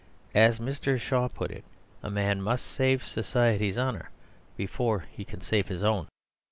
As Mr. Shaw put it, "A man must save Society's honour before he can save his own."